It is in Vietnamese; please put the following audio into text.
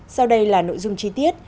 sau đây là nội dung chi tiết